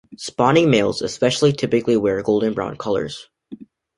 Spawning males, especially, typically wear golden brown colors.